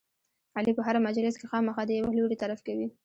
علي په هره مجلس کې خامخا د یوه لوري طرف کوي.